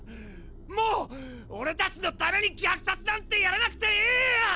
もう俺たちのために虐殺なんてやらなくていい！！